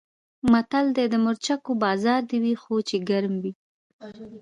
متل دی: د مرچکو بازار دې وي خو چې ګرم وي.